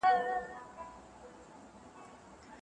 تاسي تل د خپلي کورنۍ سره اوسئ.